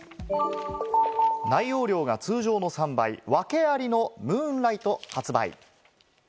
内容量が通常の３倍、訳ありのムーンライト発売。